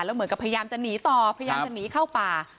แล้วเหมือนกับพยายามจะหนีต่อพยายามจะหนีเข้าป่า